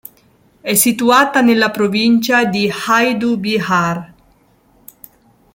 È situata nella provincia di Hajdú-Bihar.